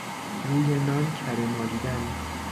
روی نان کره مالیدن